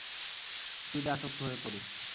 স্পীডে আসক্ত হয়ে পড়ি।